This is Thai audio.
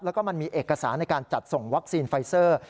แล้วก็มันมีเอกสารในการจัดส่งวัคซีนไฟเซอร์